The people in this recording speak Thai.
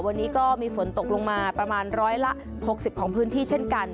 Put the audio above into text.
วันนี้ก็มีฝนตกลงมาประมาณร้อยละ๖๐ของพื้นที่เช่นกัน